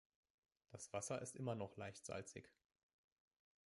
Das Wasser ist immer noch leicht salzig.